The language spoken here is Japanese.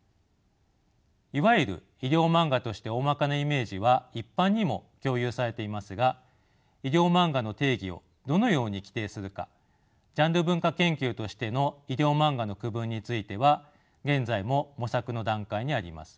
いわゆる医療マンガとしておおまかなイメージは一般にも共有されていますが医療マンガの定義をどのように規定するかジャンル文化研究としての医療マンガの区分については現在も模索の段階にあります。